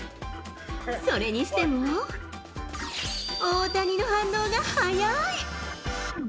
それにしても、大谷の反応が速い。